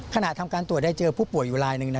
ขณะทำการตรวจได้เจอพวกผู้บ่อยอยู่ลายนึง